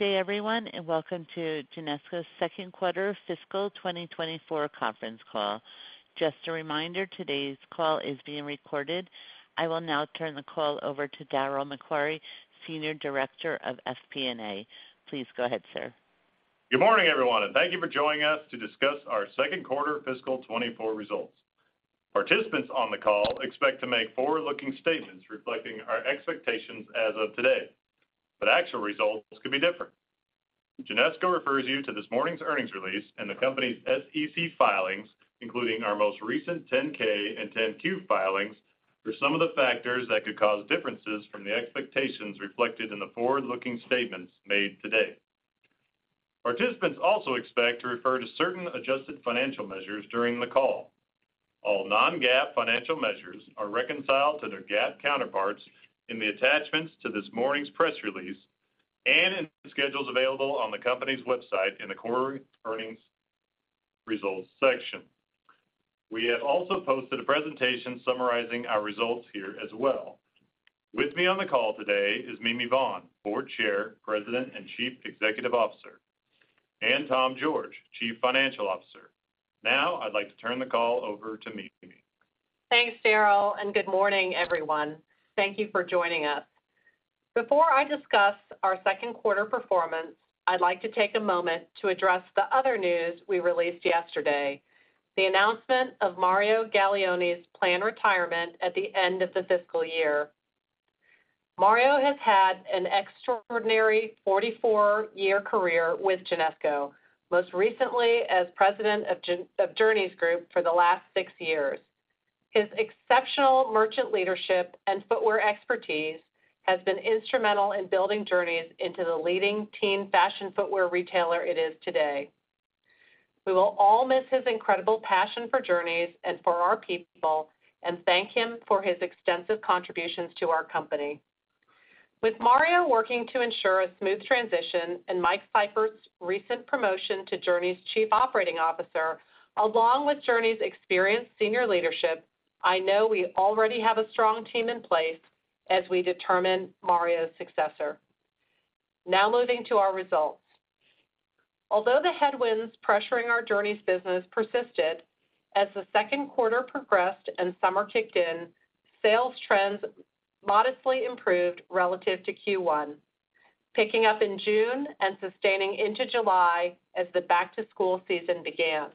Good day, everyone, and welcome to Genesco's second quarter fiscal 2024 conference call. Just a reminder, today's call is being recorded. I will now turn the call over to Darryl MacQuarrie, Senior Director of FP&A. Please go ahead, sir. Good morning, everyone, and thank you for joining us to discuss our second quarter fiscal 2024 results. Participants on the call expect to make forward-looking statements reflecting our expectations as of today, but actual results could be different. Genesco refers you to this morning's earnings release and the company's SEC filings, including our most recent 10-K and 10-Q filings, for some of the factors that could cause differences from the expectations reflected in the forward-looking statements made today. Participants also expect to refer to certain adjusted financial measures during the call. All non-GAAP financial measures are reconciled to their GAAP counterparts in the attachments to this morning's press release and in schedules available on the company's website in the Quarter Earnings Results section. We have also posted a presentation summarizing our results here as well. With me on the call today is Mimi Vaughn, Board Chair, President, and Chief Executive Officer, and Tom George, Chief Financial Officer. Now, I'd like to turn the call over to Mimi. Thanks, Darryl, and good morning, everyone. Thank you for joining us. Before I discuss our second quarter performance, I'd like to take a moment to address the other news we released yesterday, the announcement of Mario Gallione's planned retirement at the end of the fiscal year. Mario has had an extraordinary 44-year career with Genesco, most recently as President of Journeys Group for the last six years. His exceptional merchant leadership and footwear expertise has been instrumental in building Journeys into the leading teen fashion footwear retailer it is today. We will all miss his incredible passion for Journeys and for our people, and thank him for his extensive contributions to our company. With Mario working to ensure a smooth transition and Mike Sypert's recent promotion to Journeys Chief Operating Officer, along with Journeys' experienced senior leadership, I know we already have a strong team in place as we determine Mario's successor. Now, moving to our results. Although the headwinds pressuring our Journeys business persisted, as the second quarter progressed and summer kicked in, sales trends modestly improved relative to Q1, picking up in June and sustaining into July as the back-to-school season began.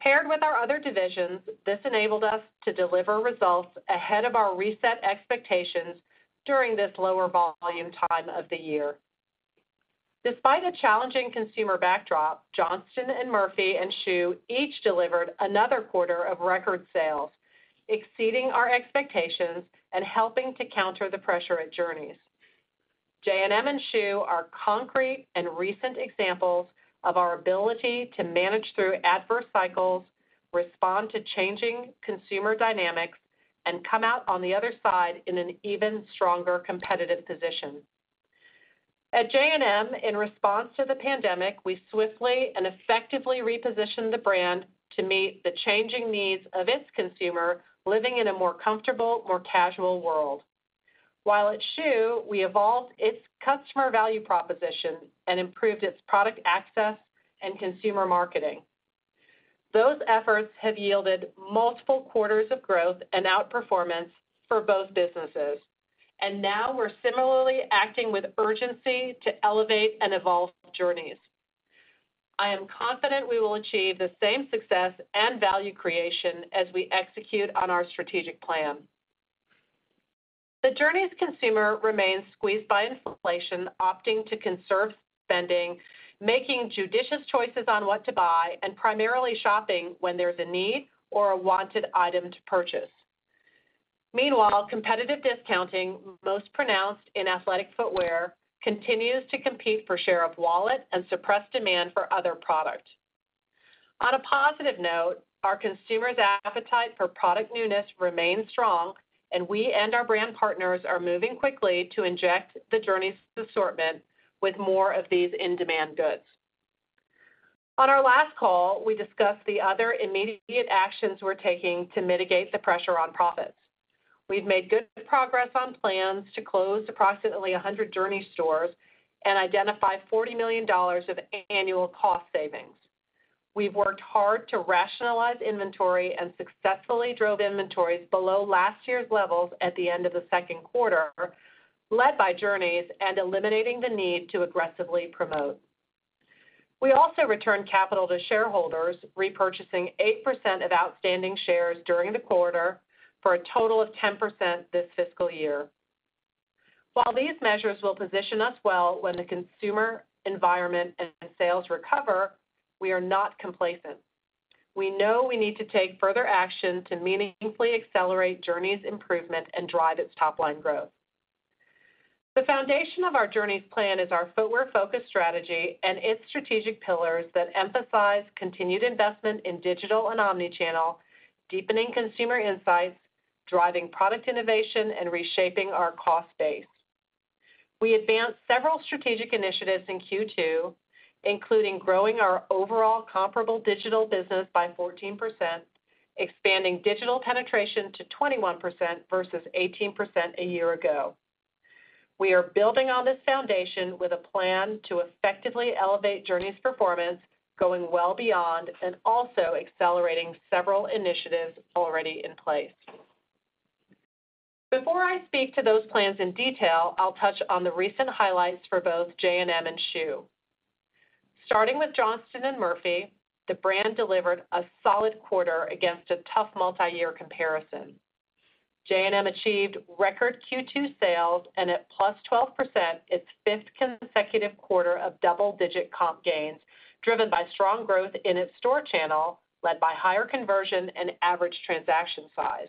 Paired with our other divisions, this enabled us to deliver results ahead of our reset expectations during this lower volume time of the year. Despite a challenging consumer backdrop, Johnston & Murphy and Schuh each delivered another quarter of record sales, exceeding our expectations and helping to counter the pressure at Journeys. J&M and Schuh are concrete and recent examples of our ability to manage through adverse cycles, respond to changing consumer dynamics, and come out on the other side in an even stronger competitive position. At J&M, in response to the pandemic, we swiftly and effectively repositioned the brand to meet the changing needs of its consumer, living in a more comfortable, more casual world. While at Schuh, we evolved its customer value proposition and improved its product access and consumer marketing. Those efforts have yielded multiple quarters of growth and outperformance for both businesses, and now we're similarly acting with urgency to elevate and evolve Journeys. I am confident we will achieve the same success and value creation as we execute on our strategic plan. The Journeys consumer remains squeezed by inflation, opting to conserve spending, making judicious choices on what to buy, and primarily shopping when there's a need or a wanted item to purchase. Meanwhile, competitive discounting, most pronounced in athletic footwear, continues to compete for share of wallet and suppress demand for other products. On a positive note, our consumers' appetite for product newness remains strong, and we and our brand partners are moving quickly to inject the Journeys assortment with more of these in-demand goods. On our last call, we discussed the other immediate actions we're taking to mitigate the pressure on profits. We've made good progress on plans to close approximately 100 Journeys stores and identify $40 million of annual cost savings. We've worked hard to rationalize inventory and successfully drove inventories below last year's levels at the end of the second quarter, led by Journeys and eliminating the need to aggressively promote. We also returned capital to shareholders, repurchasing 8% of outstanding shares during the quarter, for a total of 10% this fiscal year. While these measures will position us well when the consumer environment and sales recover, we are not complacent. We know we need to take further action to meaningfully accelerate Journeys improvement and drive its top-line growth. The foundation of our Journeys plan is our footwear-focused strategy and its strategic pillars that emphasize continued investment in digital and omnichannel, deepening consumer insights, driving product innovation, and reshaping our cost base. We advanced several strategic initiatives in Q2.... including growing our overall comparable digital business by 14%, expanding digital penetration to 21% versus 18% a year ago. We are building on this foundation with a plan to effectively elevate Journeys performance, going well beyond and also accelerating several initiatives already in place. Before I speak to those plans in detail, I'll touch on the recent highlights for both J&M and Schuh. Starting with Johnston & Murphy, the brand delivered a solid quarter against a tough multi-year comparison. J&M achieved record Q2 sales and at +12%, its fifth consecutive quarter of double-digit comp gains, driven by strong growth in its store channel, led by higher conversion and average transaction size.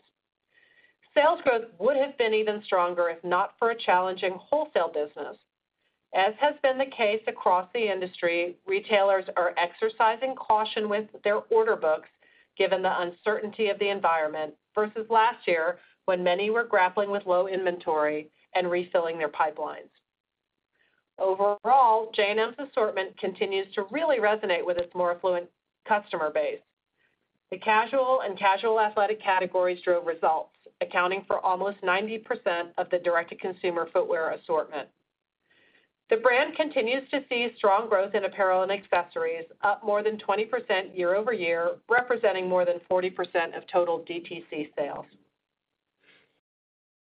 Sales growth would have been even stronger if not for a challenging wholesale business. As has been the case across the industry, retailers are exercising caution with their order books, given the uncertainty of the environment, versus last year, when many were grappling with low inventory and refilling their pipelines. Overall, J&M's assortment continues to really resonate with its more affluent customer base. The casual and casual athletic categories drove results, accounting for almost 90% of the direct-to-consumer footwear assortment. The brand continues to see strong growth in apparel and accessories, up more than 20% year-over-year, representing more than 40% of total DTC sales.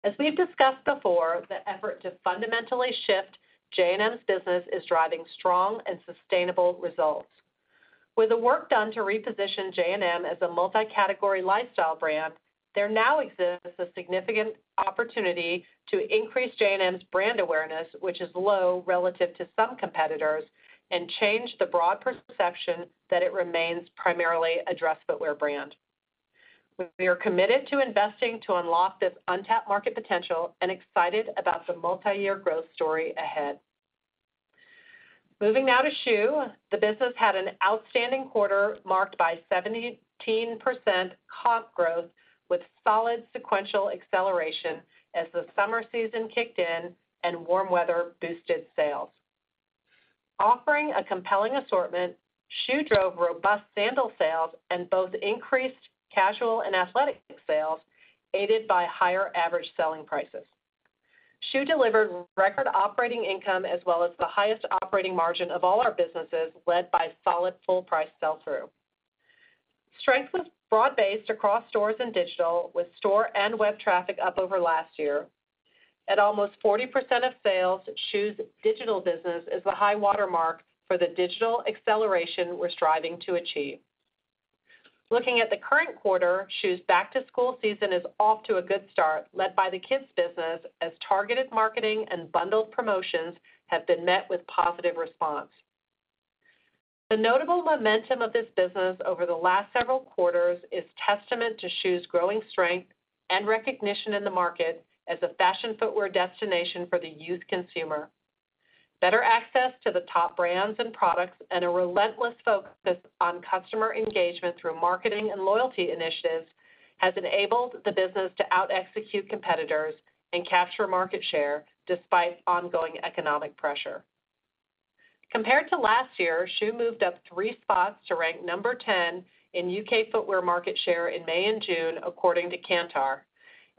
As we've discussed before, the effort to fundamentally shift J&M's business is driving strong and sustainable results. With the work done to reposition J&M as a multi-category lifestyle brand, there now exists a significant opportunity to increase J&M's brand awareness, which is low relative to some competitors, and change the broad perception that it remains primarily a dress footwear brand. We are committed to investing to unlock this untapped market potential and excited about the multi-year growth story ahead. Moving now to Schuh. The business had an outstanding quarter, marked by 17% comp growth, with solid sequential acceleration as the summer season kicked in and warm weather boosted sales. Offering a compelling assortment, Schuh drove robust sandal sales and both increased casual and athletic sales, aided by higher average selling prices. Schuh delivered record operating income as well as the highest operating margin of all our businesses, led by solid full-price sell-through. Strength was broad-based across stores and digital, with store and web traffic up over last year. At almost 40% of sales, Schuh's digital business is the high watermark for the digital acceleration we're striving to achieve. Looking at the current quarter, Schuh's back-to-school season is off to a good start, led by the kids business, as targeted marketing and bundled promotions have been met with positive response. The notable momentum of this business over the last several quarters is testament to Schuh's growing strength and recognition in the market as a fashion footwear destination for the youth consumer. Better access to the top brands and products and a relentless focus on customer engagement through marketing and loyalty initiatives has enabled the business to out execute competitors and capture market share despite ongoing economic pressure. Compared to last year, Schuh moved up three spots to rank number 10 in U.K. footwear market share in May and June, according to Kantar,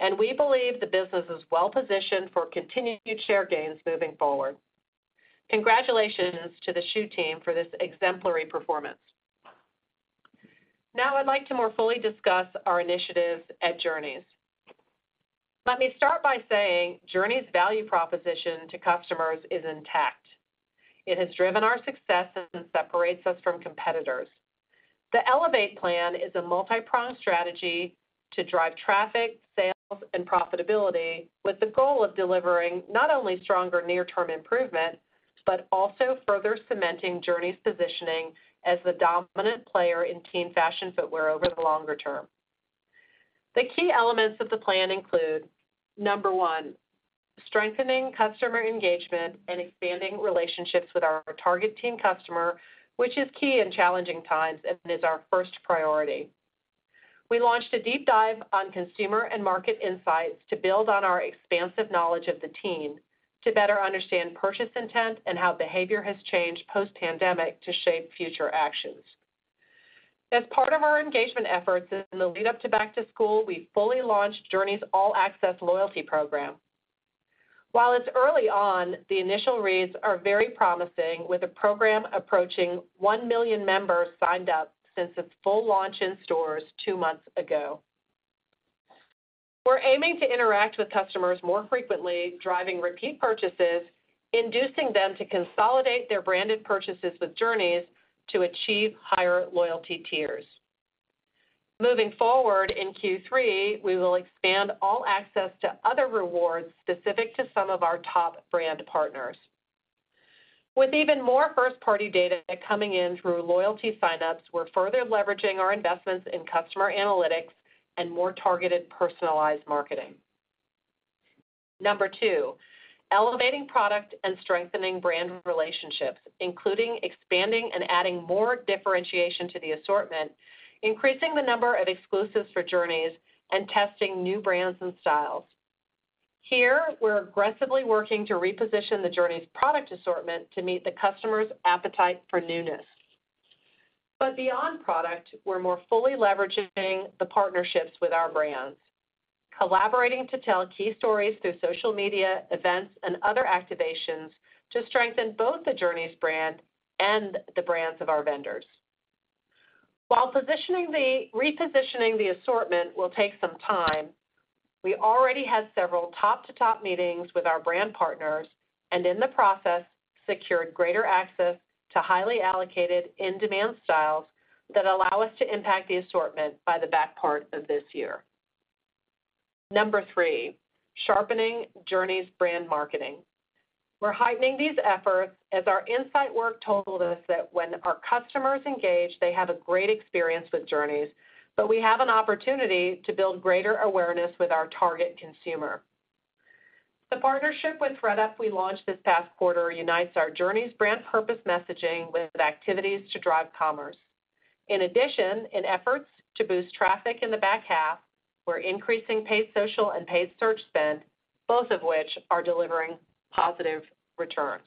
and we believe the business is well positioned for continued share gains moving forward. Congratulations to the Schuh team for this exemplary performance. Now, I'd like to more fully discuss our initiatives at Journeys. Let me start by saying Journeys' value proposition to customers is intact. It has driven our success and separates us from competitors. The Elevate plan is a multi-pronged strategy to drive traffic, sales, and profitability with the goal of delivering not only stronger near-term improvement, but also further cementing Journeys' positioning as the dominant player in teen fashion footwear over the longer term. The key elements of the plan include, number one, strengthening customer engagement and expanding relationships with our target teen customer, which is key in challenging times and is our first priority. We launched a deep dive on consumer and market insights to build on our expansive knowledge of the teen, to better understand purchase intent and how behavior has changed post-pandemic to shape future actions. As part of our engagement efforts in the lead-up to back-to-school, we fully launched Journeys' All Access loyalty program. While it's early on, the initial reads are very promising, with the program approaching one million members signed up since its full launch in stores two months ago. We're aiming to interact with customers more frequently, driving repeat purchases, inducing them to consolidate their branded purchases with Journeys to achieve higher loyalty tiers. Moving forward, in Q3, we will expand All Access to other rewards specific to some of our top brand partners. With even more first-party data coming in through loyalty signups, we're further leveraging our investments in customer analytics and more targeted, personalized marketing. Number two, elevating product and strengthening brand relationships, including expanding and adding more differentiation to the assortment, increasing the number of exclusives for Journeys, and testing new brands and styles. Here, we're aggressively working to reposition the Journeys product assortment to meet the customer's appetite for newness. But beyond product, we're more fully leveraging the partnerships with our brands, collaborating to tell key stories through social media, events, and other activations to strengthen both the Journeys brand and the brands of our vendors. While repositioning the assortment will take some time, we already had several top-to-top meetings with our brand partners, and in the process, secured greater access to highly allocated, in-demand styles that allow us to impact the assortment by the back part of this year. Number three, sharpening Journeys brand marketing. We're heightening these efforts as our insight work told us that when our customers engage, they have a great experience with Journeys, but we have an opportunity to build greater awareness with our target consumer. The partnership with thredUP we launched this past quarter unites our Journeys brand purpose messaging with activities to drive commerce. In addition, in efforts to boost traffic in the back half, we're increasing paid social and paid search spend, both of which are delivering positive returns.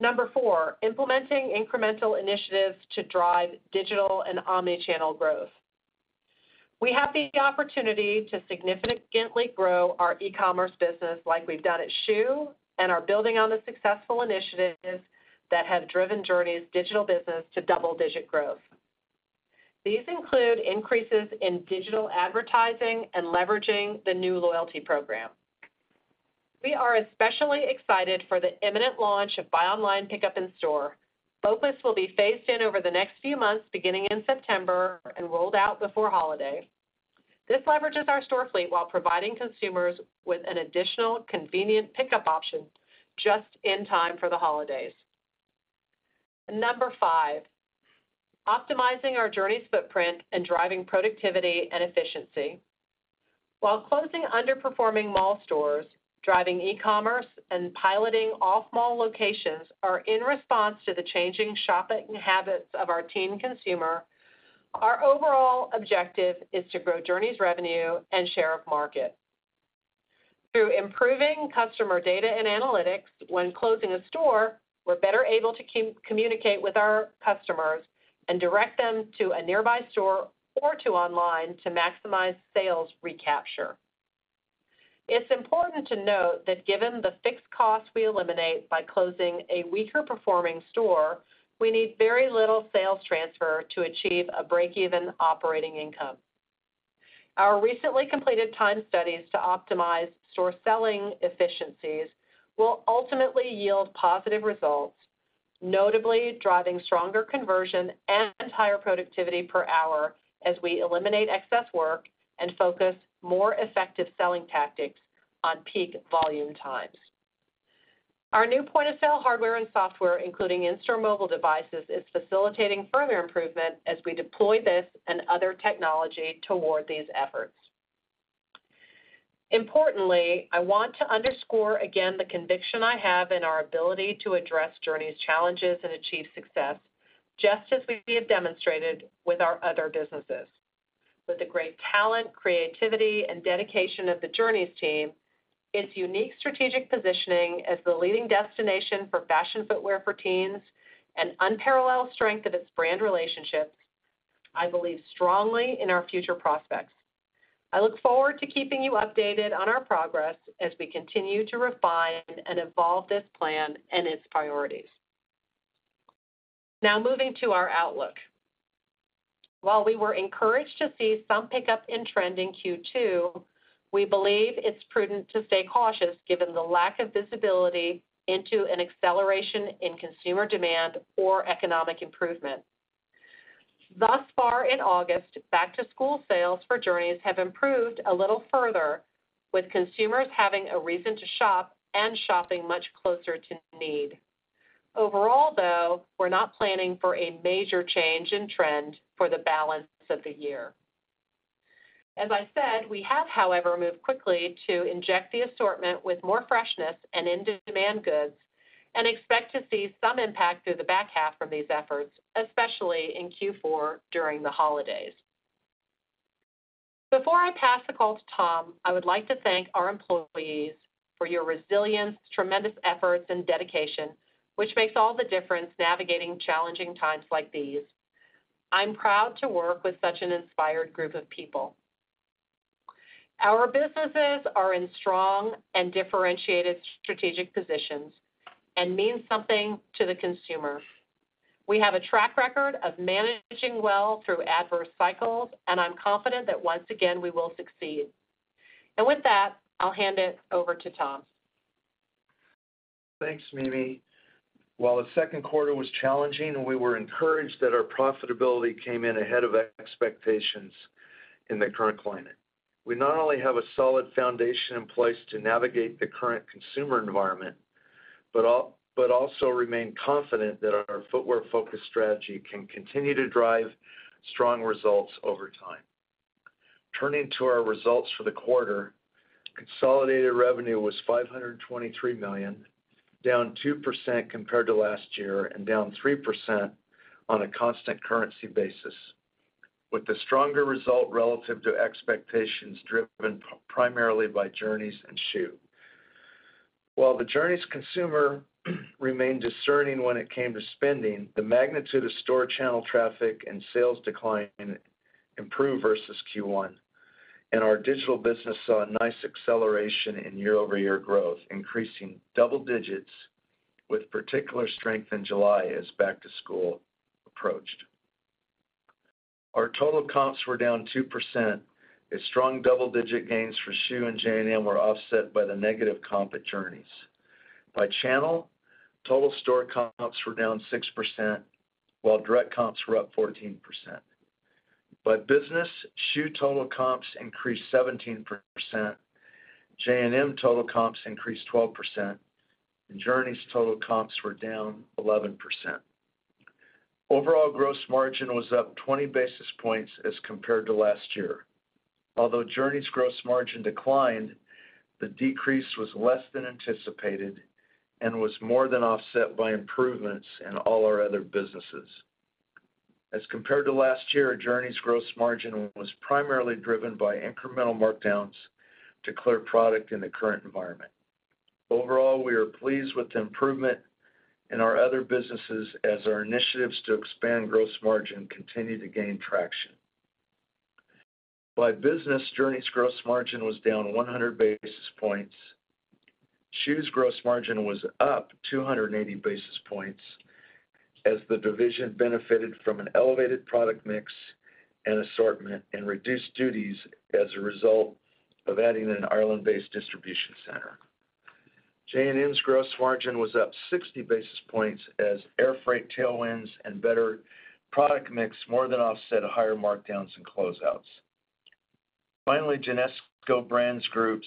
Number four, implementing incremental initiatives to drive digital and omni-channel growth. We have the opportunity to significantly grow our e-commerce business like we've done at Schuh and are building on the successful initiatives that have driven Journeys' digital business to double-digit growth. These include increases in digital advertising and leveraging the new loyalty program. We are especially excited for the imminent launch of buy online, pickup in store. BOPUS will be phased in over the next few months, beginning in September, and rolled out before holiday. This leverages our store fleet while providing consumers with an additional convenient pickup option just in time for the holidays. Number five, optimizing our Journeys footprint and driving productivity and efficiency. While closing underperforming mall stores, driving e-commerce, and piloting off-mall locations are in response to the changing shopping habits of our teen consumer, our overall objective is to grow Journeys revenue and share of market. Through improving customer data and analytics when closing a store, we're better able to communicate with our customers and direct them to a nearby store or to online to maximize sales recapture. It's important to note that given the fixed costs we eliminate by closing a weaker-performing store, we need very little sales transfer to achieve a break-even operating income. Our recently completed time studies to optimize store selling efficiencies will ultimately yield positive results, notably driving stronger conversion and higher productivity per hour as we eliminate excess work and focus more effective selling tactics on peak volume times. Our new point-of-sale hardware and software, including in-store mobile devices, is facilitating further improvement as we deploy this and other technology toward these efforts. Importantly, I want to underscore again the conviction I have in our ability to address Journeys' challenges and achieve success, just as we have demonstrated with our other businesses. With the great talent, creativity, and dedication of the Journeys team, its unique strategic positioning as the leading destination for fashion footwear for teens, and unparalleled strength of its brand relationships, I believe strongly in our future prospects. I look forward to keeping you updated on our progress as we continue to refine and evolve this plan and its priorities. Now, moving to our outlook. While we were encouraged to see some pickup in trend in Q2, we believe it's prudent to stay cautious, given the lack of visibility into an acceleration in consumer demand or economic improvement. Thus far in August, back-to-school sales for Journeys have improved a little further, with consumers having a reason to shop and shopping much closer to need. Overall, though, we're not planning for a major change in trend for the balance of the year. As I said, we have, however, moved quickly to inject the assortment with more freshness and in-demand goods and expect to see some impact through the back half from these efforts, especially in Q4 during the holidays. Before I pass the call to Tom, I would like to thank our employees for your resilience, tremendous efforts, and dedication, which makes all the difference navigating challenging times like these. I'm proud to work with such an inspired group of people. Our businesses are in strong and differentiated strategic positions and mean something to the consumer. We have a track record of managing well through adverse cycles, and I'm confident that once again, we will succeed. With that, I'll hand it over to Tom. Thanks, Mimi. While the second quarter was challenging, and we were encouraged that our profitability came in ahead of expectations in the current climate. We not only have a solid foundation in place to navigate the current consumer environment, but also remain confident that our footwear-focused strategy can continue to drive strong results over time. Turning to our results for the quarter, consolidated revenue was 523 million, down 2% compared to last year and down 3% on a constant currency basis, with the stronger result relative to expectations, driven primarily by Journeys and Schuh. While the Journeys consumer remained discerning when it came to spending, the magnitude of store channel traffic and sales decline improved versus Q1, and our digital business saw a nice acceleration in year-over-year growth, increasing double digits with particular strength in July as back-to-school approached. Our total comps were down 2%, as strong double-digit gains for Schuh and J&M were offset by the negative comp at Journeys. By channel, total store comps were down 6%, while direct comps were up 14%. By business, Schuh total comps increased 17%, J&M total comps increased 12%, and Journeys total comps were down 11%. Overall gross margin was up 20 basis points as compared to last year. Although Journeys' gross margin declined, the decrease was less than anticipated and was more than offset by improvements in all our other businesses. As compared to last year, Journeys' gross margin was primarily driven by incremental markdowns to clear product in the current environment. Overall, we are pleased with the improvement in our other businesses as our initiatives to expand gross margin continue to gain traction. By business, Journeys' gross margin was down 100 basis points. Schuh gross margin was up 280 basis points as the division benefited from an elevated product mix and assortment, and reduced duties as a result of adding an Ireland-based distribution center. J&M's gross margin was up 60 basis points as air freight tailwinds and better product mix more than offset higher markdowns and closeouts. Finally, Genesco Brands Group's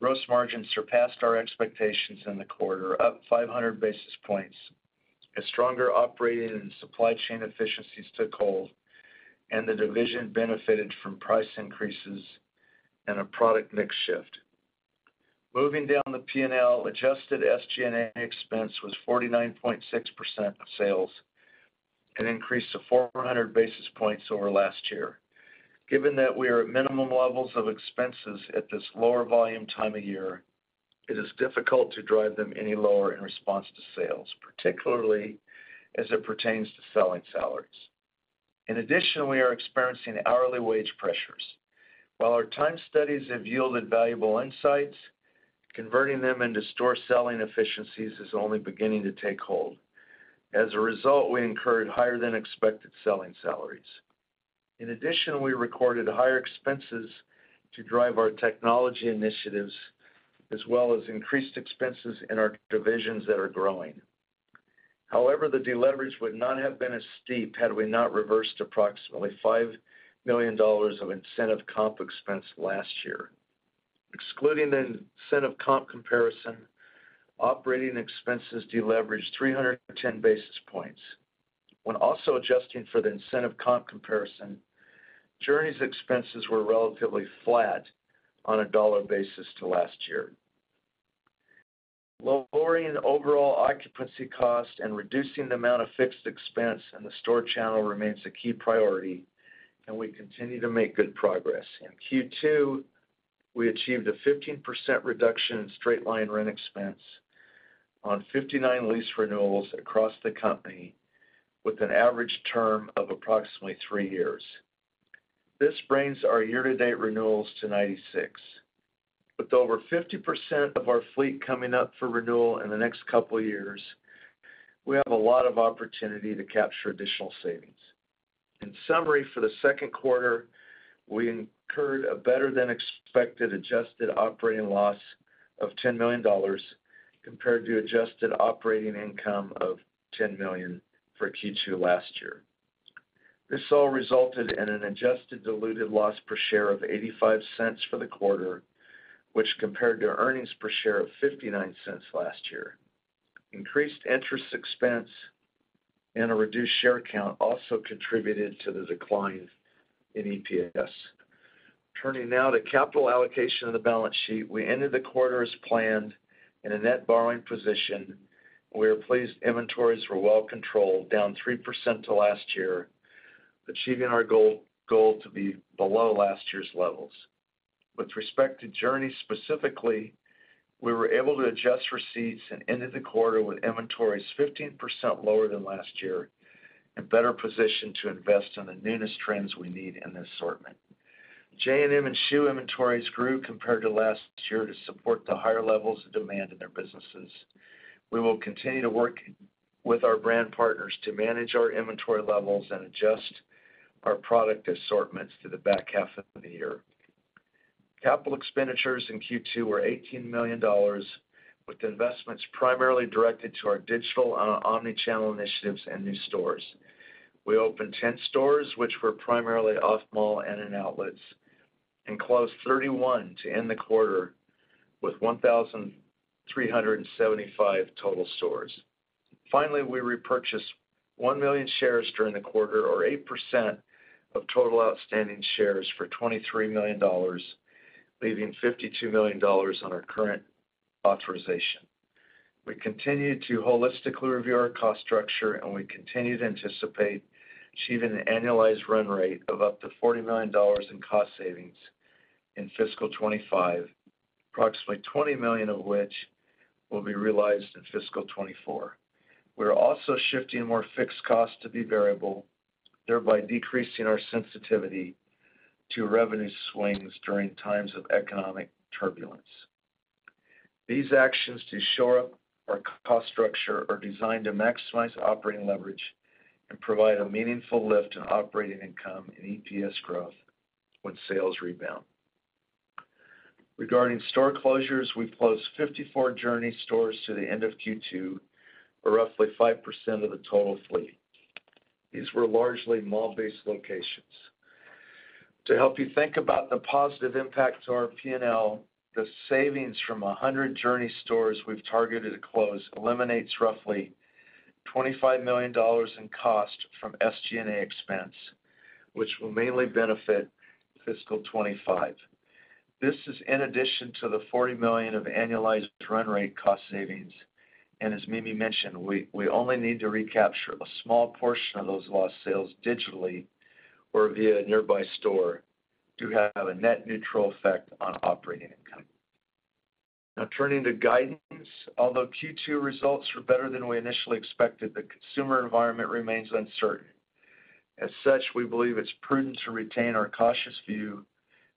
gross margin surpassed our expectations in the quarter, up 500 basis points. A stronger operating and supply chain efficiencies took hold, and the division benefited from price increases and a product mix shift. Moving down the P&L, adjusted SG&A expense was 49.6% of sales, an increase of 400 basis points over last year. Given that we are at minimum levels of expenses at this lower volume time of year, it is difficult to drive them any lower in response to sales, particularly as it pertains to selling salaries. In addition, we are experiencing hourly wage pressures. While our time studies have yielded valuable insights, converting them into store selling efficiencies is only beginning to take hold. As a result, we incurred higher-than-expected selling salaries. In addition, we recorded higher expenses to drive our technology initiatives, as well as increased expenses in our divisions that are growing. However, the deleverage would not have been as steep had we not reversed approximately $5 million of incentive comp expense last year. Excluding the incentive comp comparison, operating expenses deleveraged 300 basis points. When also adjusting for the incentive comp comparison, Journeys' expenses were relatively flat on a dollar basis to last year. Lowering the overall occupancy cost and reducing the amount of fixed expense in the store channel remains a key priority, and we continue to make good progress. In Q2, we achieved a 15% reduction in straight-line rent expense on 59 lease renewals across the company, with an average term of approximately three years. This brings our year-to-date renewals to 96. With over 50% of our fleet coming up for renewal in the next couple of years, we have a lot of opportunity to capture additional savings. In summary, for the second quarter, we incurred a better-than-expected adjusted operating loss of $10 million, compared to adjusted operating income of 10 million for Q2 last year. This all resulted in an adjusted diluted loss per share of 0.85 for the quarter, which compared to earnings per share of 0.59 last year. Increased interest expense and a reduced share count also contributed to the decline in EPS. Turning now to capital allocation of the balance sheet. We ended the quarter as planned in a net borrowing position, and we are pleased inventories were well controlled, down 3% to last year, achieving our goal, goal to be below last year's levels. With respect to Journeys specifically, we were able to adjust receipts and ended the quarter with inventories 15% lower than last year, in better position to invest in the newest trends we need in the assortment. J&M and Schuh inventories grew compared to last year to support the higher levels of demand in their businesses. We will continue to work with our brand partners to manage our inventory levels and adjust our product assortments to the back half of the year. Capital expenditures in Q2 were $18 million, with investments primarily directed to our digital and omnichannel initiatives and new stores. We opened 10 stores, which were primarily off-mall and in outlets, and closed 31 to end the quarter with 1,375 total stores. Finally, we repurchased one million shares during the quarter, or 8% of total outstanding shares for $23 million, leaving $52 million on our current authorization.... We continue to holistically review our cost structure, and we continue to anticipate achieving an annualized run rate of up to $40 million in cost savings in fiscal 2025, approximately 20 million of which will be realized in fiscal 2024. We are also shifting more fixed costs to be variable, thereby decreasing our sensitivity to revenue swings during times of economic turbulence. These actions to shore up our cost structure are designed to maximize operating leverage and provide a meaningful lift in operating income and EPS growth when sales rebound. Regarding store closures, we've closed 54 Journeys stores to the end of Q2, or roughly 5% of the total fleet. These were largely mall-based locations. To help you think about the positive impact to our P&L, the savings from 100 Journeys stores we've targeted to close eliminates roughly $25 million in cost from SG&A expense, which will mainly benefit fiscal 2025. This is in addition to the $40 million of annualized run rate cost savings. And as Mimi mentioned, we, we only need to recapture a small portion of those lost sales digitally or via a nearby store to have a net neutral effect on operating income. Now, turning to guidance. Although Q2 results were better than we initially expected, the consumer environment remains uncertain. As such, we believe it's prudent to retain our cautious view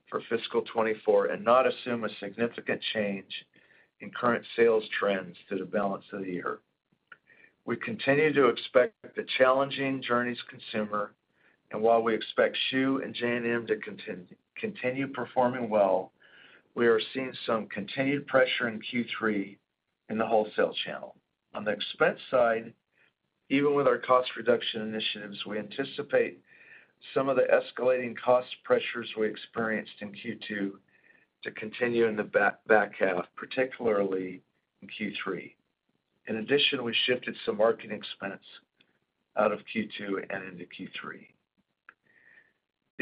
for fiscal 2024 and not assume a significant change in current sales trends to the balance of the year. We continue to expect the challenging Journeys consumer, and while we expect Schuh and J&M to continue performing well, we are seeing some continued pressure in Q3 in the wholesale channel. On the expense side, even with our cost reduction initiatives, we anticipate some of the escalating cost pressures we experienced in Q2 to continue in the back half, particularly in Q3. In addition, we shifted some marketing expense out of Q2 and into Q3.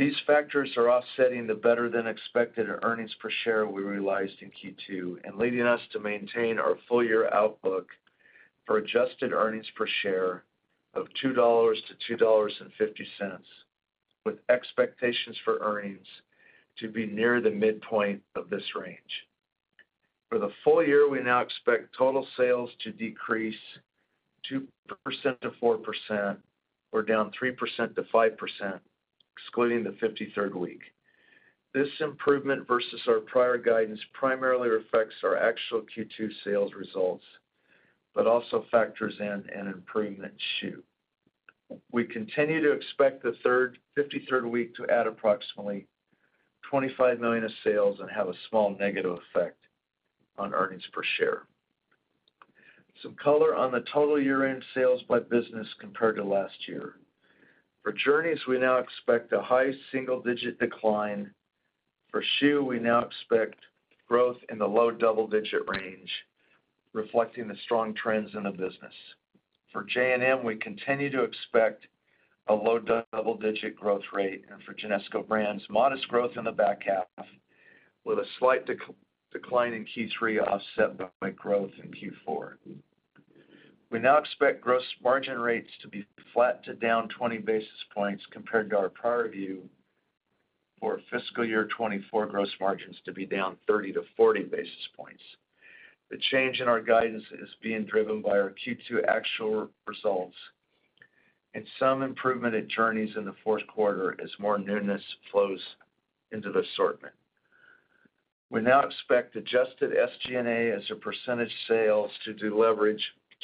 These factors are offsetting the better-than-expected earnings per share we realized in Q2 and leading us to maintain our full-year outlook for adjusted earnings per share of $2-$2.50, with expectations for earnings to be near the midpoint of this range. For the full year, we now expect total sales to decrease 2%-4% or down 3%-5%, excluding the 53rd week. This improvement versus our prior guidance primarily reflects our actual Q2 sales results, but also factors in an improvement in Schuh. We continue to expect the 53rd week to add approximately 25 million of sales and have a small negative effect on earnings per share. Some color on the total year-end sales by business compared to last year. For Journeys, we now expect a high single-digit decline. For Schuh, we now expect growth in the low double-digit range, reflecting the strong trends in the business. For J&M, we continue to expect a low double-digit growth rate, and for Genesco Brands, modest growth in the back half, with a slight decline in Q3, offset by growth in Q4. We now expect gross margin rates to be flat to down 20 basis points compared to our prior view for fiscal year 2024 gross margins to be down 30-40 basis points. The change in our guidance is being driven by our Q2 actual results and some improvement at Journeys in the fourth quarter as more newness flows into the assortment. We now expect adjusted SG&A as a percentage of sales to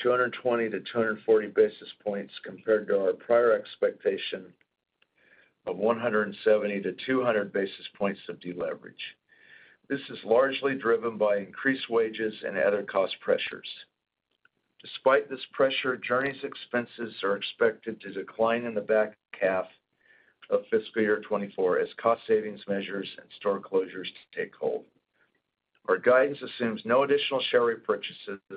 deleverage 220-240 basis points, compared to our prior expectation of 170-200 basis points of deleverage. This is largely driven by increased wages and other cost pressures. Despite this pressure, Journeys' expenses are expected to decline in the back half of fiscal year 2024 as cost savings measures and store closures take hold. Our guidance assumes no additional share repurchases,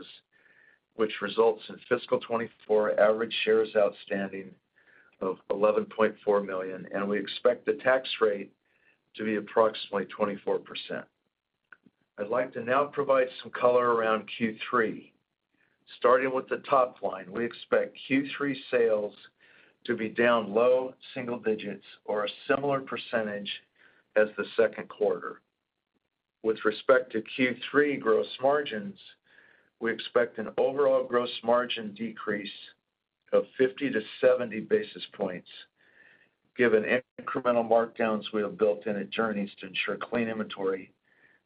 which results in fiscal 2024 average shares outstanding of 11.4 million, and we expect the tax rate to be approximately 24%. I'd like to now provide some color around Q3. Starting with the top line, we expect Q3 sales to be down low single digits or a similar percentage as the second quarter. With respect to Q3 gross margins, we expect an overall gross margin decrease of 50-70 basis points, given incremental markdowns we have built in at Journeys to ensure clean inventory,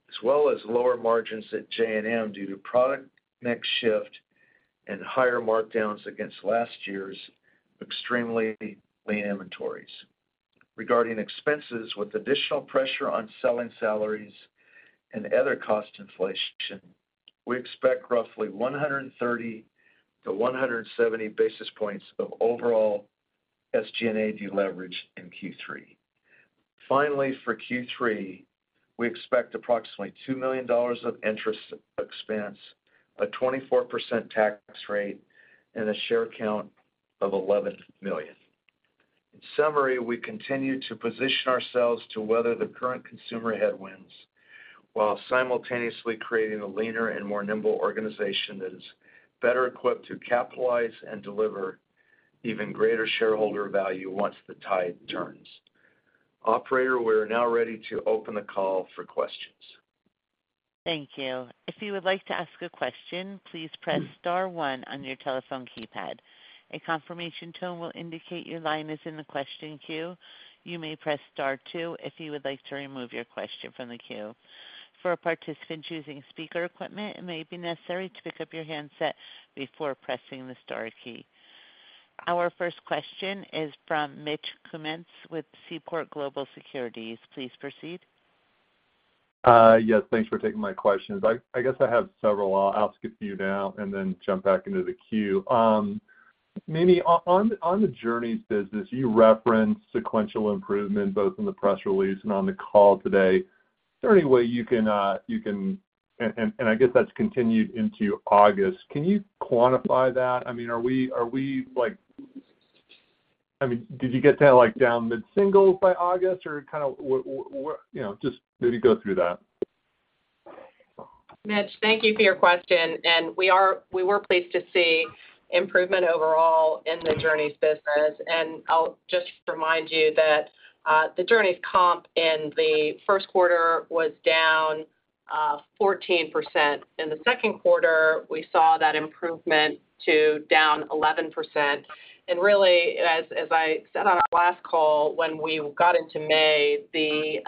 as well as lower margins at J&M due to product mix shift and higher markdowns against last year's extremely lean inventories. Regarding expenses, with additional pressure on selling salaries and other cost inflation, we expect roughly 130-170 basis points of overall SG&A deleverage in Q3. Finally, for Q3, we expect approximately $2 million of interest expense, a 24% tax rate, and a share count of 11 million. In summary, we continue to position ourselves to weather the current consumer headwinds, while simultaneously creating a leaner and more nimble organization that is better equipped to capitalize and deliver even greater shareholder value once the tide turns. Operator, we're now ready to open the call for questions. Thank you. If you would like to ask a question, please press star one on your telephone keypad. A confirmation tone will indicate your line is in the question queue. You may press star two, if you would like to remove your question from the queue. For a participant choosing speaker equipment, it may be necessary to pick up your handset before pressing the star key. Our first question is from Mitch Kummetz with Seaport Global Securities. Please proceed. Yes, thanks for taking my questions. I guess I have several. I'll ask a few now and then jump back into the queue. Mimi, on the Journeys business, you referenced sequential improvement both in the press release and on the call today. Is there any way you can—and I guess that's continued into August. Can you quantify that? I mean, are we like—I mean, did you get that, like, down mid-singles by August or kind of what? You know, just maybe go through that. Mitch, thank you for your question. We were pleased to see improvement overall in the Journeys business. I'll just remind you that the Journeys comp in the first quarter was down 14%. In the second quarter, we saw that improvement to down 11%. Really, as I said on our last call, when we got into May, the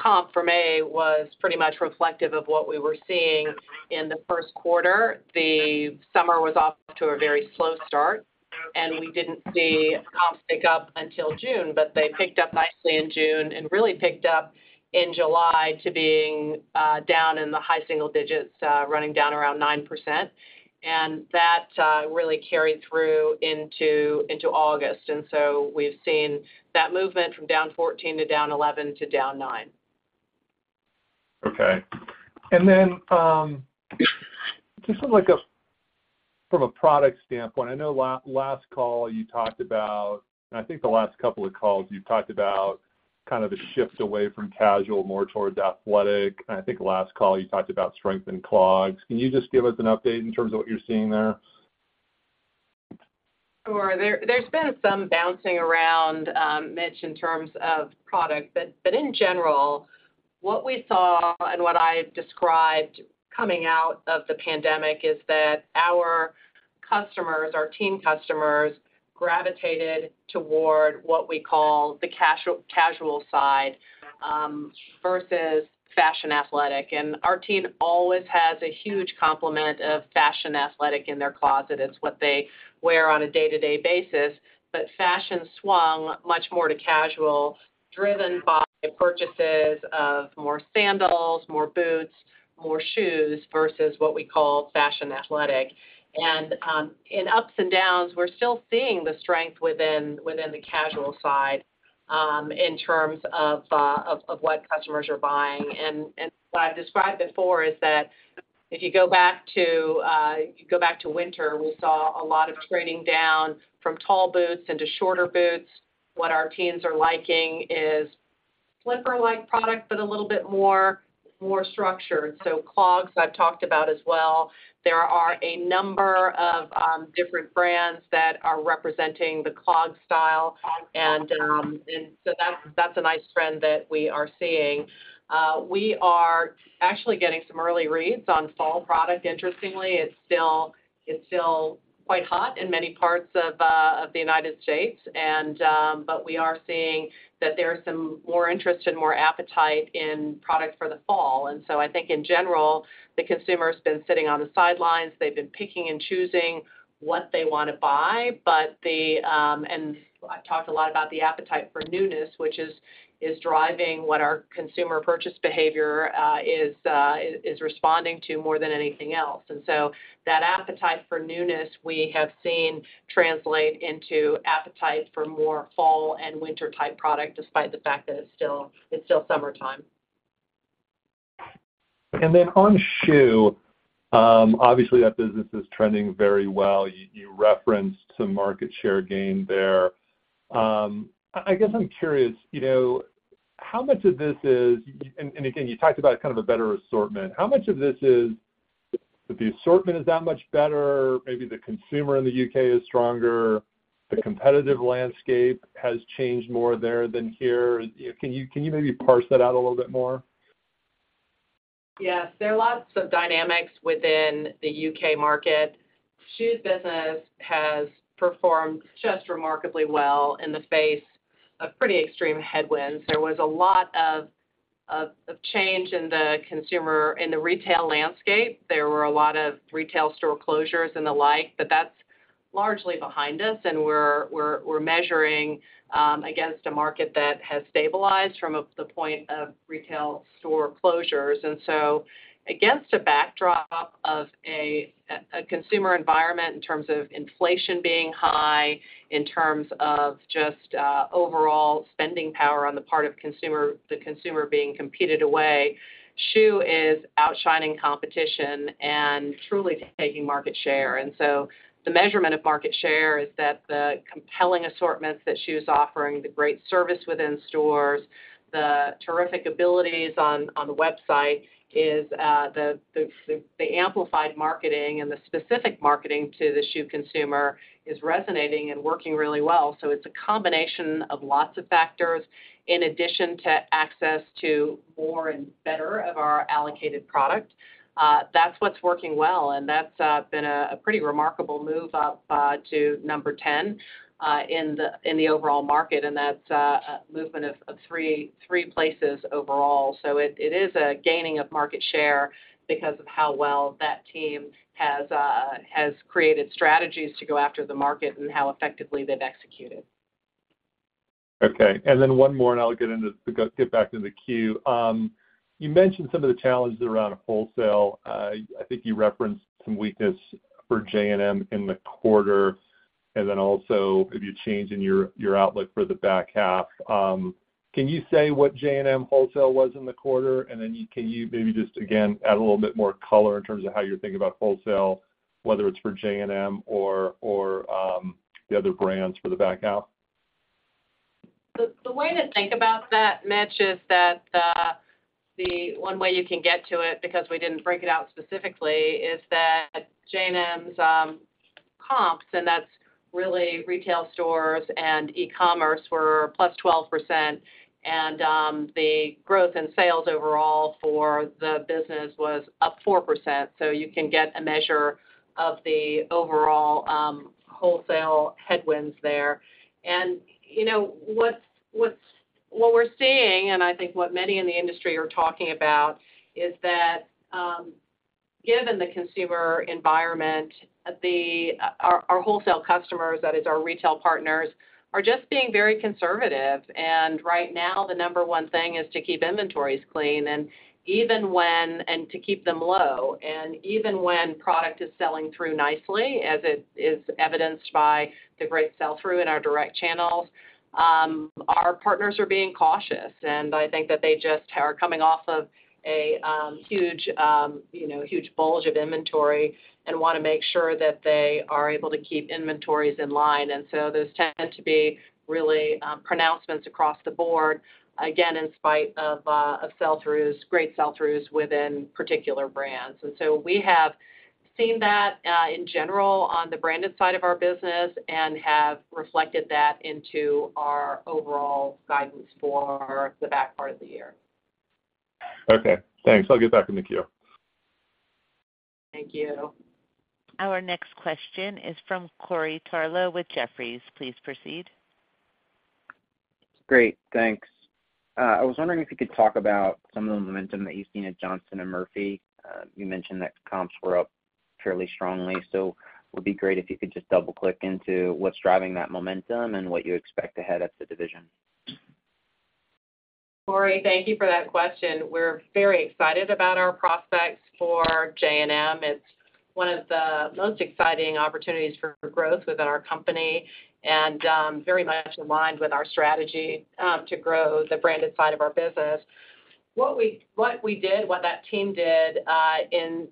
comp for May was pretty much reflective of what we were seeing in the first quarter. The summer was off to a very slow start, and we didn't see comps pick up until June, but they picked up nicely in June and really picked up in July to being down in the high single digits, running down around 9%. That really carried through into August. We've seen that movement from down 14 to down 11 to down 9. Okay. And then, just from, like, a product standpoint, I know last call you talked about, and I think the last couple of calls, you talked about kind of a shift away from casual, more towards athletic. And I think last call you talked about strength in clogs. Can you just give us an update in terms of what you're seeing there? Sure. There's been some bouncing around, Mitch, in terms of product. But in general, what we saw and what I described coming out of the pandemic is that our customers, our teen customers, gravitated toward what we call the casual side, versus fashion athletic. And our team always has a huge complement of fashion athletic in their closet. It's what they wear on a day-to-day basis. But fashion swung much more to casual, driven by the purchases of more sandals, more boots, more shoes, versus what we call fashion athletic. And in ups and downs, we're still seeing the strength within the casual side, in terms of what customers are buying. And what I've described before is that if you go back to winter, we saw a lot of trading down from tall boots into shorter boots. What our teens are liking is slipper-like product, but a little bit more structured. So clogs I've talked about as well. There are a number of different brands that are representing the clog style. And so that's a nice trend that we are seeing. We are actually getting some early reads on fall product. Interestingly, it's still quite hot in many parts of the United States. But we are seeing that there is some more interest and more appetite in products for the fall. And so I think in general, the consumer has been sitting on the sidelines. They've been picking and choosing what they want to buy, but the, and I've talked a lot about the appetite for newness, which is driving what our consumer purchase behavior is responding to more than anything else. And so that appetite for newness, we have seen translate into appetite for more fall and winter type product, despite the fact that it's still summertime. And then on Schuh, obviously, that business is trending very well. You, you referenced some market share gain there. I, I guess I'm curious, you know, how much of this is, and, and again, you talked about kind of a better assortment. How much of this is that the assortment is that much better, maybe the consumer in the U.K. is stronger, the competitive landscape has changed more there than here? Can you, can you maybe parse that out a little bit more? Yes. There are lots of dynamics within the U.K. market. Schuh business has performed just remarkably well in the face of pretty extreme headwinds. There was a lot of change in the consumer, in the retail landscape. There were a lot of retail store closures and the like, but that's largely behind us, and we're measuring against a market that has stabilized from the point of retail store closures. And so against a backdrop of a consumer environment in terms of inflation being high, in terms of just overall spending power on the part of consumer, the consumer being competed away, Schuh is outshining competition and truly taking market share. The measurement of market share is that the compelling assortments that Schuh is offering, the great service within stores, the terrific abilities on the website is, the amplified marketing and the specific marketing to the Schuh consumer is resonating and working really well. So it's a combination of lots of factors in addition to access to more and better of our allocated product. That's what's working well, and that's been a pretty remarkable move up to 10 in the overall market, and that's a movement of three places overall. So it is a gaining of market share because of how well that team has created strategies to go after the market and how effectively they've executed. Okay, and then one more, and I'll get into the-- get back to the queue. You mentioned some of the challenges around wholesale. I think you referenced some weakness for J&M in the quarter, and then also maybe a change in your, your outlook for the back half. Can you say what J&M wholesale was in the quarter? And then can you maybe just, again, add a little bit more color in terms of how you're thinking about wholesale, whether it's for J&M or, or, the other brands for the back half? The way to think about that, Mitch, is that the one way you can get to it, because we didn't break it out specifically, is that J&M's comps, and that's really retail stores and e-commerce, were plus 12%, and the growth in sales overall for the business was up 4%. So you can get a measure of the overall wholesale headwinds there. And you know, what we're seeing, and I think what many in the industry are talking about, is that, given the consumer environment, our wholesale customers, that is our retail partners, are just being very conservative. Right now, the number one thing is to keep inventories clean and to keep them low, even when product is selling through nicely, as it is evidenced by the great sell-through in our direct channels. Our partners are being cautious, and I think that they just are coming off of a huge, you know, huge bulge of inventory and wanna make sure that they are able to keep inventories in line. And so those tend to be really pronouncements across the board, again, in spite of great sell-throughs within particular brands. And so we have seen that in general on the branded side of our business and have reflected that into our overall guidance for the back part of the year. Okay, thanks. I'll get back in the queue. Thank you. Our next question is from Corey Tarlowe with Jefferies. Please proceed. Great, thanks. I was wondering if you could talk about some of the momentum that you've seen at Johnston & Murphy. You mentioned that comps were up fairly strongly, so it would be great if you could just double-click into what's driving that momentum and what you expect ahead of the division. Corey, thank you for that question. We're very excited about our prospects for J&M. It's one of the most exciting opportunities for growth within our company and very much in line with our strategy to grow the branded side of our business. What that team did in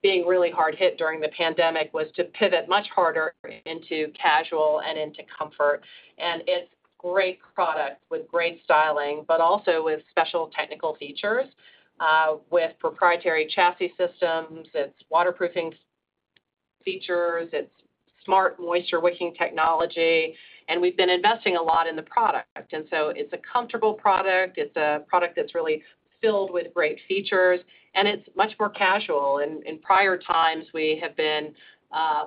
being really hard hit during the pandemic was to pivot much harder into casual and into comfort. And it's great product with great styling, but also with special technical features with proprietary chassis systems, it's waterproofing features, it's smart moisture-wicking technology, and we've been investing a lot in the product. And so it's a comfortable product, it's a product that's really filled with great features, and it's much more casual. In prior times, we have been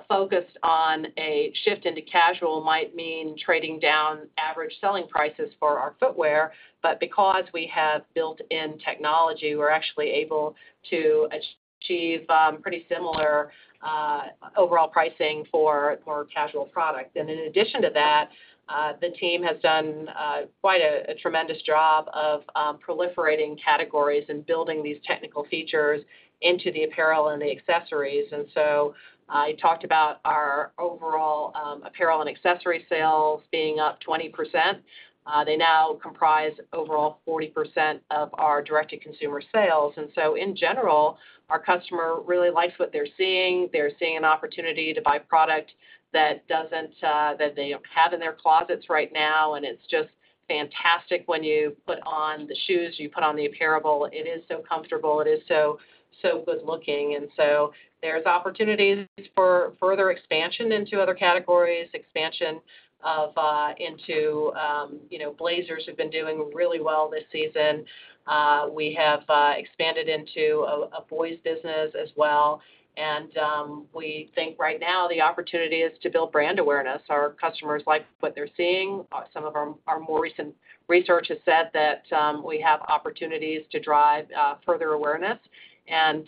focused on a shift into casual, might mean trading down average selling prices for our footwear, but because we have built-in technology, we're actually able to achieve pretty similar overall pricing for more casual product. In addition to that, the team has done quite a tremendous job of proliferating categories and building these technical features into the apparel and the accessories. And so I talked about our overall apparel and accessory sales being up 20%. They now comprise overall 40% of our direct-to-consumer sales. And so in general, our customer really likes what they're seeing. They're seeing an opportunity to buy product that doesn't that they have in their closets right now, and it's just fantastic when you put on the shoes, you put on the apparel. It is so comfortable. It is so, so good-looking. So there's opportunities for further expansion into other categories, expansion into, you know, blazers have been doing really well this season. We have expanded into a boys business as well. We think right now the opportunity is to build brand awareness. Our customers like what they're seeing. Some of our more recent research has said that we have opportunities to drive further awareness, and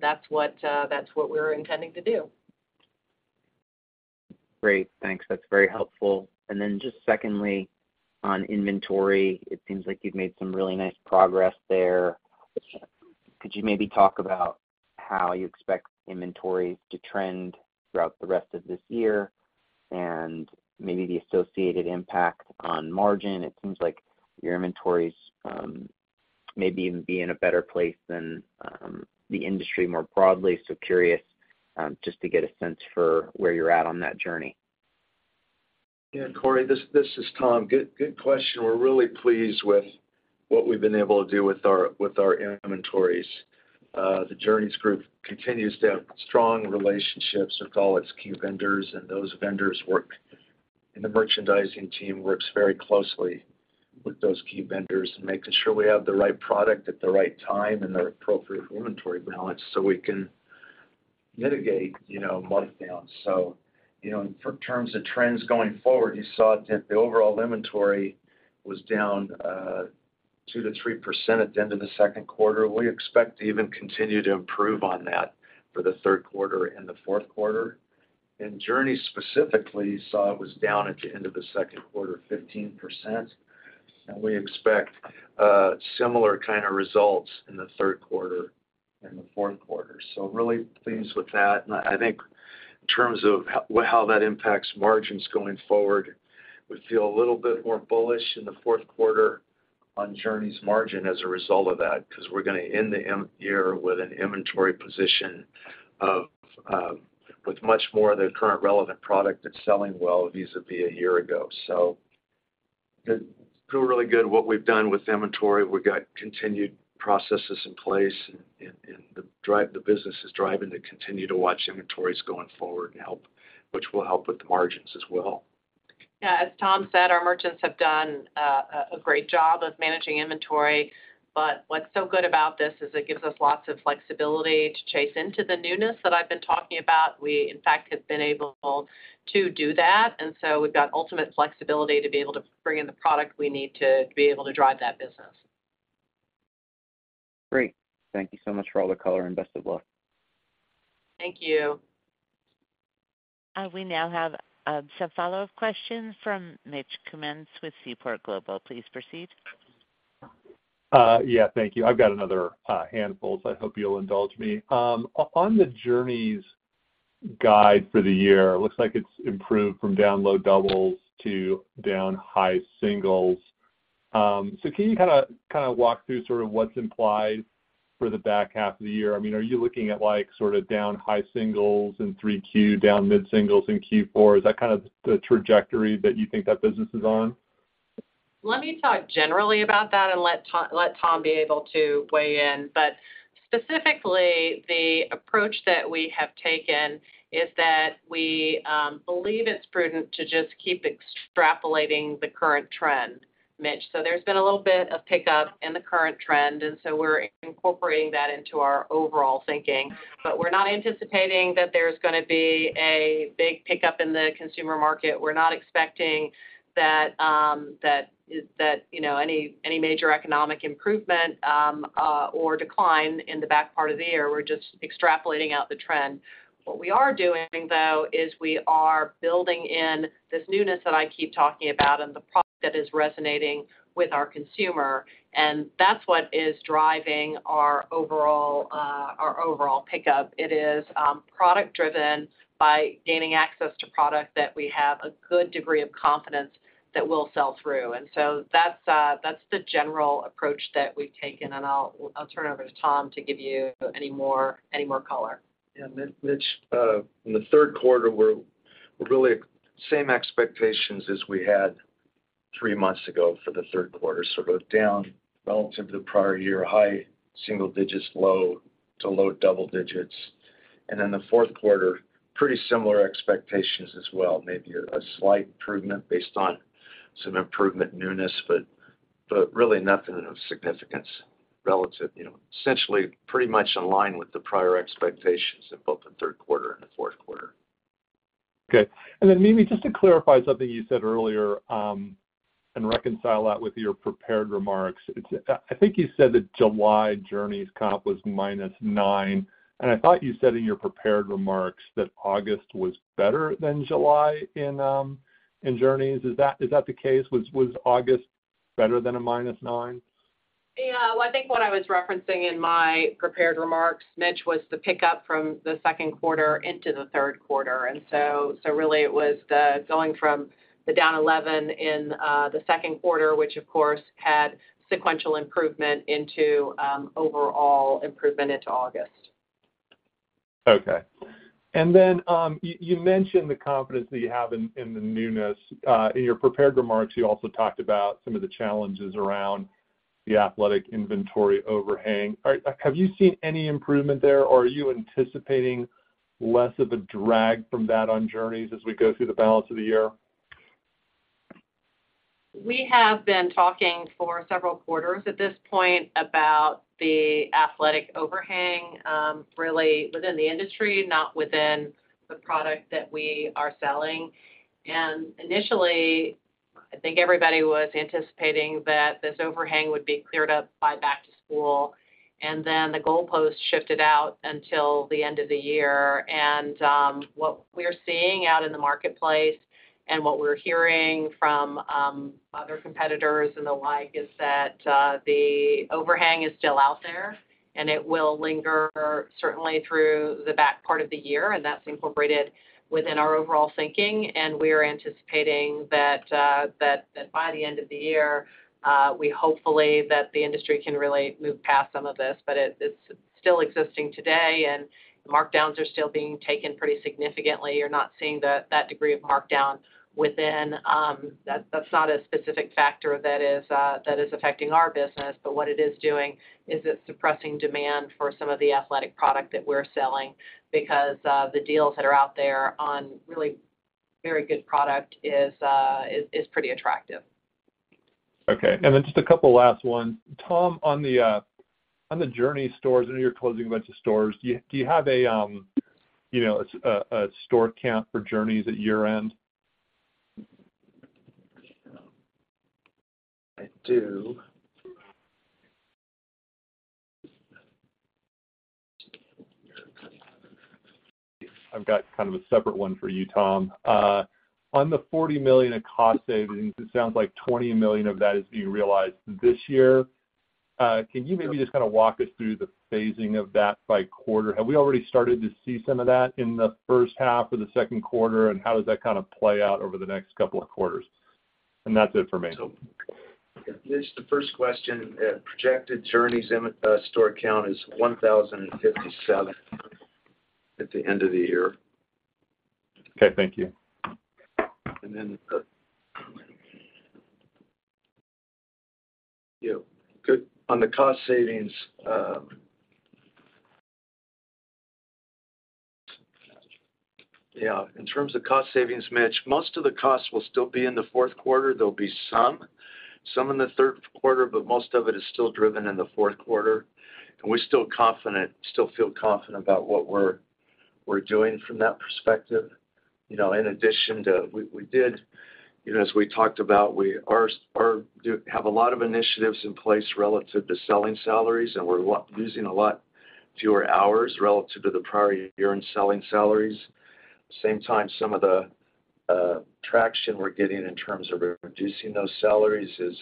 that's what we're intending to do.... Great, thanks. That's very helpful. And then just secondly, on inventory, it seems like you've made some really nice progress there. Could you maybe talk about how you expect inventory to trend throughout the rest of this year and maybe the associated impact on margin? It seems like your inventories, maybe even be in a better place than, the industry more broadly. So curious, just to get a sense for where you're at on that journey. Yeah, Corey, this, this is Tom. Good, good question. We're really pleased with what we've been able to do with our, with our inventories. The Journeys Group continues to have strong relationships with all its key vendors, and those vendors work, and the merchandising team works very closely with those key vendors in making sure we have the right product at the right time and the appropriate inventory balance, so we can mitigate, you know, markdown. So, you know, in terms of trends going forward, you saw that the overall inventory was down 2%-3% at the end of the second quarter. We expect to even continue to improve on that for the third quarter and the fourth quarter. And Journeys, specifically, you saw it was down at the end of the second quarter, 15%. We expect similar kind of results in the third quarter and the fourth quarter. Really pleased with that. I think in terms of how that impacts margins going forward, we feel a little bit more bullish in the fourth quarter on Journeys margin as a result of that, because we're gonna end the year with an inventory position of with much more of the current relevant product that's selling well, vis-a-vis a year ago. Feel really good what we've done with inventory. We've got continued processes in place, and the business is driving to continue to watch inventories going forward and help, which will help with the margins as well. Yeah, as Tom said, our merchants have done a great job of managing inventory, but what's so good about this is it gives us lots of flexibility to chase into the newness that I've been talking about. We, in fact, have been able to do that, and so we've got ultimate flexibility to be able to bring in the product we need to be able to drive that business. Great. Thank you so much for all the color and best of luck. Thank you. We now have some follow-up questions from Mitch Kummetz with Seaport Global. Please proceed. Yeah, thank you. I've got another handful, so I hope you'll indulge me. On the Journeys guide for the year, it looks like it's improved from down low doubles to down high singles. So can you kinda walk through sort of what's implied for the back half of the year? I mean, are you looking at, like, sort of down high singles in three Q, down mid-singles in Q4? Is that kind of the trajectory that you think that business is on? Let me talk generally about that and let Tom be able to weigh in. But specifically, the approach that we have taken is that we believe it's prudent to just keep extrapolating the current trend, Mitch. So there's been a little bit of pickup in the current trend, and so we're incorporating that into our overall thinking. But we're not anticipating that there's gonna be a big pickup in the consumer market. We're not expecting that you know any major economic improvement or decline in the back part of the year. We're just extrapolating out the trend. What we are doing, though, is we are building in this newness that I keep talking about and the product that is resonating with our consumer, and that's what is driving our overall pickup. It is product driven by gaining access to product that we have a good degree of confidence that will sell through. And so that's the general approach that we've taken, and I'll turn it over to Tom to give you any more color. Yeah, Mitch, in the third quarter, we're really same expectations as we had three months ago for the third quarter. So we're down relative to the prior year, high single digits, low to low double digits. And then the fourth quarter, pretty similar expectations as well. Maybe a slight improvement based on some improvement newness, but really nothing of significance relative, you know, essentially pretty much in line with the prior expectations of both the third quarter and the fourth quarter. Okay. And then, Mimi, just to clarify something you said earlier, and reconcile that with your prepared remarks. It's, I think you said that July Journeys comp was -nine, and I thought you said in your prepared remarks that August was better than July in Journeys. Is that the case? Was August better than a -nine? Yeah, well, I think what I was referencing in my prepared remarks, Mitch, was the pickup from the second quarter into the third quarter. And so, so really it was the going from the down 11 in the second quarter, which, of course, had sequential improvement into overall improvement into August. Okay. And then, you mentioned the confidence that you have in the newness. In your prepared remarks, you also talked about some of the challenges around the athletic inventory overhang. Have you seen any improvement there, or are you anticipating less of a drag from that on Journeys as we go through the balance of the year? We have been talking for several quarters at this point about the athletic overhang, really within the industry, not within the product that we are selling. And initially, I think everybody was anticipating that this overhang would be cleared up by back to school, and then the goalpost shifted out until the end of the year. And, what we are seeing out in the marketplace and what we're hearing from other competitors and the like, is that the overhang is still out there, and it will linger certainly through the back part of the year, and that's incorporated within our overall thinking. And we are anticipating that by the end of the year, we hopefully that the industry can really move past some of this. But it, it's still existing today, and markdowns are still being taken pretty significantly. You're not seeing that degree of markdown within. That's not a specific factor that is affecting our business. But what it is doing is it's suppressing demand for some of the athletic product that we're selling because the deals that are out there on really very good product is pretty attractive. Okay. And then just a couple last ones. Tom, on the Journeys stores, I know you're closing a bunch of stores. Do you have a, you know, store count for Journeys at year-end? I do. I've got kind of a separate one for you, Tom. On the 40 million in cost savings, it sounds like 20 million of that is being realized this year. Can you maybe just kinda walk us through the phasing of that by quarter? Have we already started to see some of that in the first half or the second quarter, and how does that kind of play out over the next couple of quarters? That's it for me. Mitch, the first question, projected Journeys end store count is 1,057 at the end of the year. Okay, thank you. And then, yeah, good. On the cost savings, yeah, in terms of cost savings, Mitch, most of the costs will still be in the fourth quarter. There'll be some, some in the third quarter, but most of it is still driven in the fourth quarter. And we're still confident, still feel confident about what we're, we're doing from that perspective. You know, in addition to—we, we did, you know, as we talked about, we are, are—do have a lot of initiatives in place relative to selling salaries, and we're using a lot fewer hours relative to the prior year in selling salaries. At the same time, some of the traction we're getting in terms of reducing those salaries is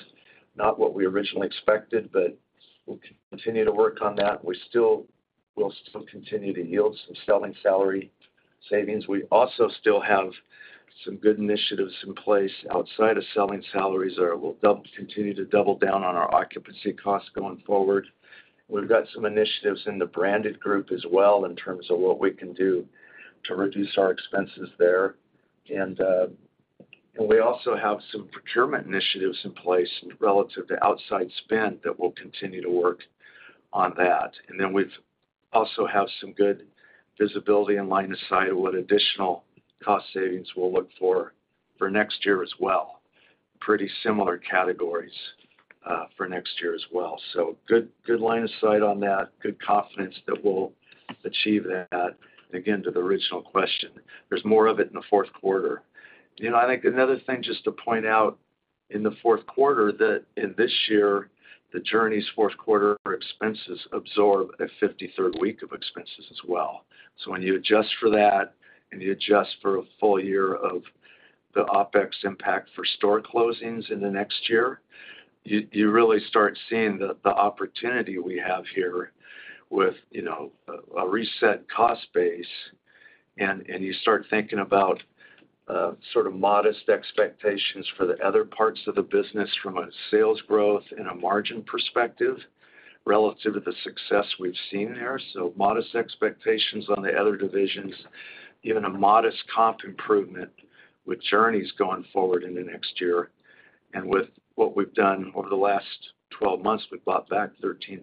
not what we originally expected, but we'll continue to work on that. We'll still continue to yield some selling salary savings. We also still have some good initiatives in place outside of selling salaries, or continue to double down on our occupancy costs going forward. We've got some initiatives in the Branded Group as well in terms of what we can do to reduce our expenses there. And we also have some procurement initiatives in place relative to outside spend that will continue to work on that. And then we also have some good visibility and line of sight of what additional cost savings we'll look for, for next year as well. Pretty similar categories, for next year as well. So good, good line of sight on that, good confidence that we'll achieve that. Again, to the original question, there's more of it in the fourth quarter. You know, I think another thing just to point out in the fourth quarter, that in this year, the Journeys fourth quarter expenses absorb a 53rd week of expenses as well. So when you adjust for that, and you adjust for a full year of the OpEx impact for store closings in the next year, you really start seeing the opportunity we have here with, you know, a reset cost base. And you start thinking about sort of modest expectations for the other parts of the business from a sales growth and a margin perspective relative to the success we've seen there. So modest expectations on the other divisions, even a modest comp improvement with Journeys going forward in the next year. And with what we've done over the last 12 months, we've bought back 13%.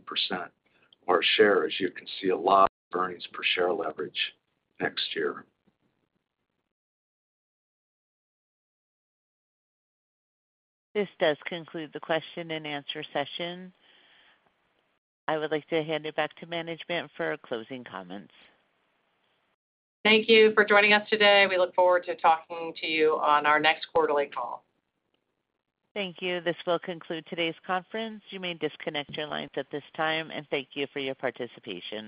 Our share, as you can see, a lot of earnings per share leverage next year. This does conclude the question and answer session. I would like to hand it back to management for closing comments. Thank you for joining us today. We look forward to talking to you on our next quarterly call. Thank you. This will conclude today's conference. You may disconnect your lines at this time, and thank you for your participation.